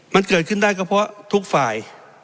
มันเกิดขึ้นได้ก็เพราะทุกฝ่าย